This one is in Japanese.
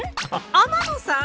天野さん⁉。